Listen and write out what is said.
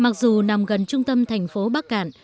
mặc dù nằm gần trung tâm thành phố bắc cạn